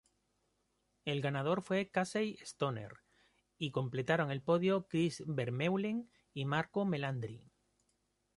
El ganador fue Casey Stoner y completaron el podio Chris Vermeulen y Marco Melandri.